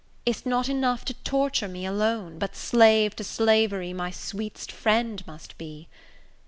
Is't not enough to torture me alone, But slave to slavery my sweet'st friend must be?